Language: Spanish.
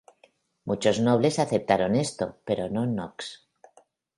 Muchos nobles aceptaron esto, pero no Knox.